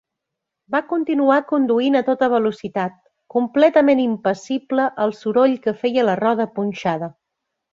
Va continuar conduint a tota velocitat, completament impassible al soroll que feia la roda punxada.